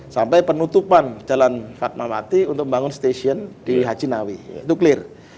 sampai penutupan jalan fatma mati untuk membangun stasiun di haji nawih itu clear